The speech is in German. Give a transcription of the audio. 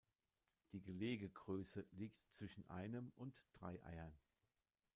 Die Gelegegröße liegt zwischen einem und drei Eiern.